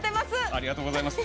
ありがとうございます。